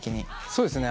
そうですね。